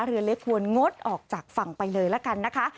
เรือเล็กควรงดออกจากฝั่งไปเลยละกันนะคะ